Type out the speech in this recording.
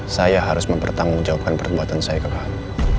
saya harus mempertanggung jawabkan perbuatan saya ke kamu